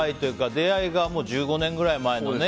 出会いが１５年前ぐらいの。